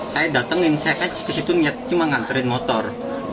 saya datangin saya kan kesitu cuma ngantri motor